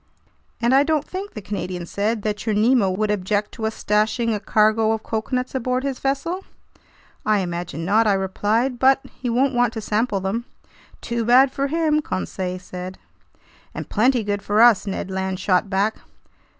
"And I don't think," the Canadian said, "that your Nemo would object to us stashing a cargo of coconuts aboard his vessel?" "I imagine not," I replied, "but he won't want to sample them." "Too bad for him!" Conseil said. "And plenty good for us!" Ned Land shot back.